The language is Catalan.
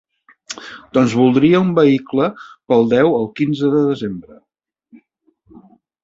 Doncs voldria un vehicle pel deu al quinze de desembre.